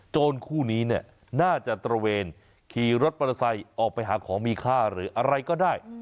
คู่นี้เนี่ยน่าจะตระเวนขี่รถมอเตอร์ไซค์ออกไปหาของมีค่าหรืออะไรก็ได้